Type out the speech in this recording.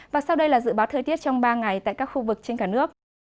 và sau đây là dự báo thời tiết trong ba ngày tại các khu vực trên cả nước